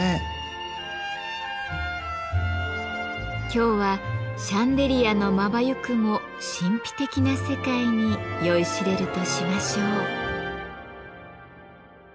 今日はシャンデリアのまばゆくも神秘的な世界に酔いしれるとしましょう。